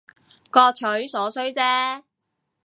各取所需姐